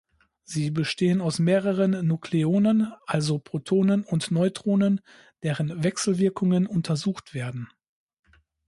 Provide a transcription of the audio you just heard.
Sie bestehen aus mehreren Nukleonen, also Protonen und Neutronen, deren Wechselwirkungen untersucht werden.